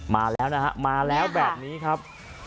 มาแล้วนะฮะมาแล้วแบบนี้ครับ